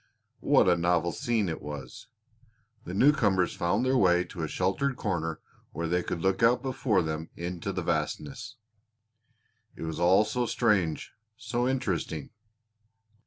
What a novel scene it was! The newcomers found their way to a sheltered corner where they could look out before them into the vastness. It was all so strange, so interesting!